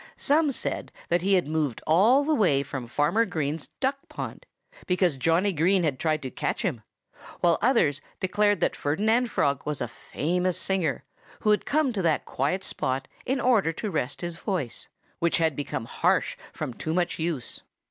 Some said that he had moved all the way from Farmer Green's duck pond, because Johnnie Green had tried to catch him; while others declared that Ferdinand Frog was a famous singer, who had come to that quiet spot in order to rest his voice, which had become harsh from too much use.